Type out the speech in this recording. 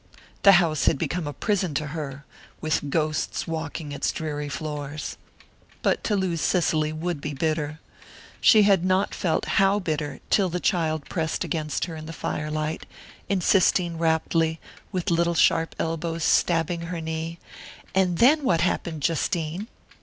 The house had become a prison to her, with ghosts walking its dreary floors. But to lose Cicely would be bitter she had not felt how bitter till the child pressed against her in the firelight, insisting raptly, with little sharp elbows stabbing her knee: "And then what happened, Justine?"